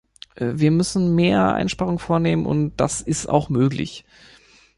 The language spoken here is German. Wir müssen mehr Einsparungen vornehmen, und das ist auch möglich.